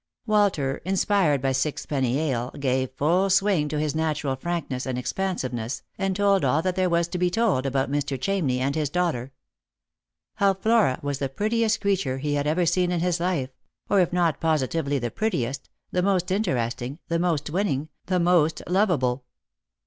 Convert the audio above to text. Walter, inspired by sixpenny ale, gave full swing to his natural frankness and expansiveness, and told all that there was to be told about Mr. Chamney and his daughter. How Flora was the prettiest creature he had ever seen in his life ; or, if not positively the prettiest, the most interesting, the most winning, the most lovable.